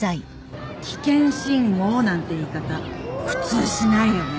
危険信号なんて言い方普通しないよね。